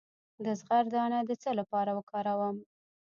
د زغر دانه د څه لپاره وکاروم؟